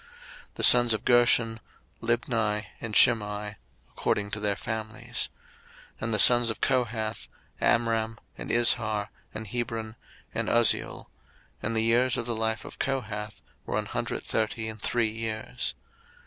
02:006:017 The sons of Gershon; Libni, and Shimi, according to their families. 02:006:018 And the sons of Kohath; Amram, and Izhar, and Hebron, and Uzziel: and the years of the life of Kohath were an hundred thirty and three years.